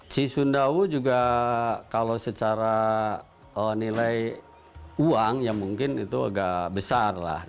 ci sundawo juga kalau secara nilai uang ya mungkin itu agak besar lah